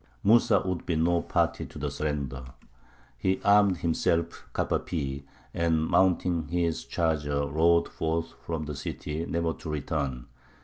Mūsa would be no party to the surrender. He armed himself cap à pie, and mounting his charger rode forth from the city never to return.